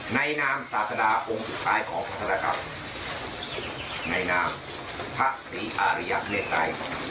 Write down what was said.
ในนามศาสดาองค์สุดท้ายของพระธรกรรมในนามภาษีอาริยาเมตตัย